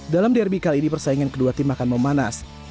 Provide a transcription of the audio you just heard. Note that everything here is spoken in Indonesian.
dalam derby kali ini persaingan kedua tim akan memanas